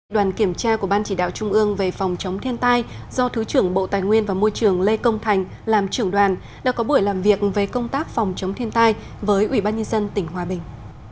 đoàn kiểm tra của ban chỉ đạo trung ương về phòng chống thiên tai do thứ trưởng bộ tài nguyên và môi trường lê công thành làm trưởng đoàn đã có buổi làm việc về công tác phòng chống thiên tai với ủy ban nhân dân tỉnh hòa bình